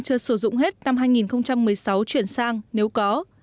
chưa sử dụng hết năm hai nghìn một mươi sáu chuyển sang nếu có